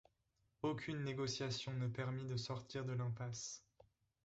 Aucune négociation ne permit de sortir de l’impasse.